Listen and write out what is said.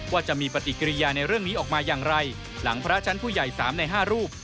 ว่าจะมีปฏิกิริยาในเรื่องนี้ออกมาอย่างไรหลังพระชั้นผู้ใหญ่๓ใน๕รูป